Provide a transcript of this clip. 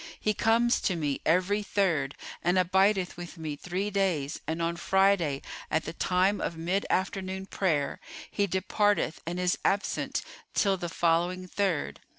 He comes to me every Third[FN#420] and abideth with me three days and on Friday, at the time of mid afternoon prayer, he departeth and is absent till the following Third.